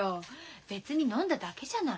別に飲んだだけじゃない。